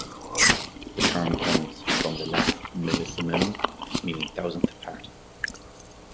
The term comes from the Latin "millesimum", meaning "thousandth part".